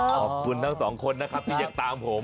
ขอบคุณทั้งสองคนนะครับที่ยังตามผม